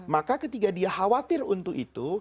maka ketika dia khawatir untuk itu